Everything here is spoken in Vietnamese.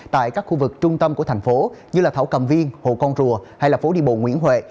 tại các khu vực trung tâm của thành phố như là thảo cầm viên hồ con rùa hay là phố đi bộ nguyễn huệ